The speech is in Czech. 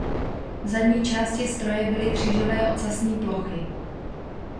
V zadní části stroje byly křížové ocasní plochy.